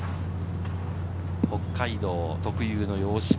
北海道特有の洋芝。